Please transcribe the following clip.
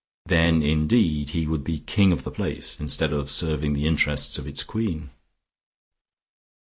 Then, indeed, he would be king of the place, instead of serving the interests of its queen.